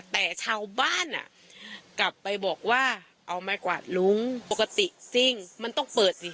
แต่ชาวบ้านอ่ะกลับไปบอกว่าเอามากวาดลุ้งปกติซิ่งมันต้องเปิดสิ